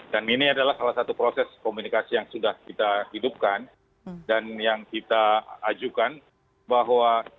dan ini adalah salah satu proses komunikasi yang sudah kita hidupkan dan yang kita ajukan bahwa